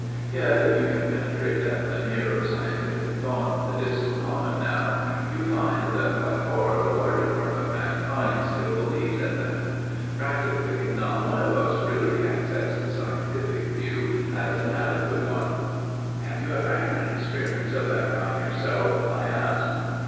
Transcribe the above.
Yet if you can penetrate that veneer of scientific thought that is so common now, you find that by far the larger part of mankind still believes in them. Practically not one of us really accepts the scientific view as an adequate one." "Have you ever had an experience of that kind yourself?" I asked.